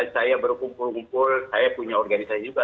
saya berkumpul kumpul saya punya organisasi juga